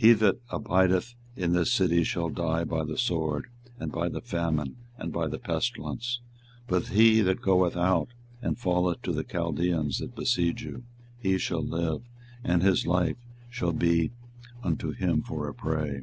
24:021:009 He that abideth in this city shall die by the sword, and by the famine, and by the pestilence: but he that goeth out, and falleth to the Chaldeans that besiege you, he shall live, and his life shall be unto him for a prey.